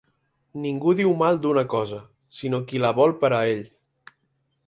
Ningú diu mal d'una cosa, sinó qui la vol per a ell.